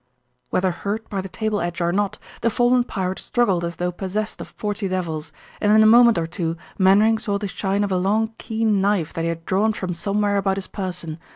Whether hurt by the table edge or not, the fallen pirate struggled as though possessed of forty devils, and in a moment or two Mainwaring saw the shine of a long, keen knife that he had drawn from somewhere about his person.